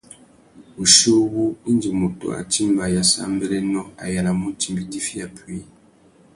Wuchiuwú, indi mutu a timba ayássámbérénô, a yānamú timba itifiya puï.